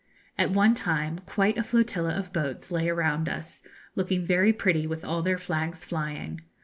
At one time quite a flotilla of boats lay around us, looking very pretty with all their flags flying.